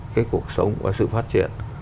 cái cuộc sống và sự phát triển